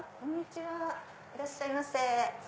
いらっしゃいませ。